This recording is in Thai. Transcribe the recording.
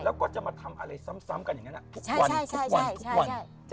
แล้วก็จะมาทำอะไรซ้ำซ้ำกันอย่างนั้นอ่ะใช่ใช่ใช่ทุกวันทุกวันทุกวัน